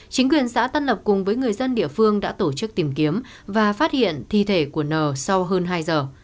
chính quyền xã tân lập cùng với người dân địa phương đã tổ chức tìm kiếm và phát hiện thi thể của n sau hơn hai giờ